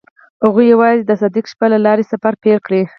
هغوی یوځای د صادق شپه له لارې سفر پیل کړ.